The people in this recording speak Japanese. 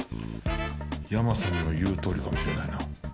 ヤマさんの言うとおりかもしれないな。